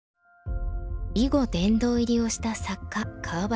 囲碁殿堂入りをした作家川端